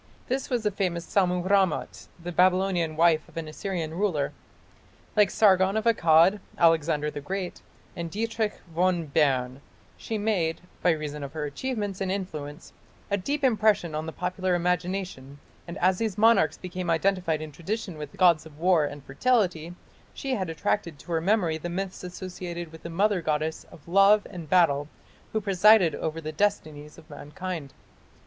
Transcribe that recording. This was the famous Sammu rammat, the Babylonian wife of an Assyrian ruler. Like Sargon of Akkad, Alexander the Great, and Dietrich von Bern, she made, by reason of her achievements and influence, a deep impression on the popular imagination, and as these monarchs became identified in tradition with gods of war and fertility, she had attached to her memory the myths associated with the mother goddess of love and battle who presided over the destinies of mankind.